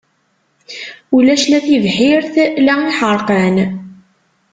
Ulac la tibḥirt la iḥerqan.